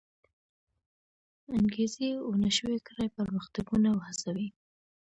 انګېزې و نه شوی کړای پرمختګونه وهڅوي.